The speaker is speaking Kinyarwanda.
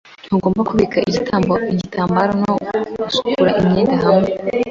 Ntugomba kubika igitambaro no gusukura imyenda hamwe.